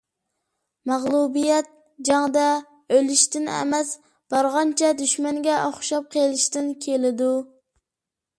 مەغلۇبىيەت جەڭدە ئۆلۈشتىن ئەمەس، بارغانچە دۈشمەنگە ئوخشاپ قېلىشتىن كېلىدۇ.